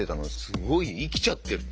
すごい生きちゃってる。